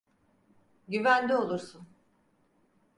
Güvende olursun.